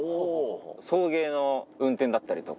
送迎の運転だったりとか。